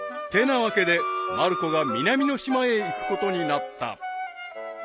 ［ってなわけでまる子が南の島へ行くことになった］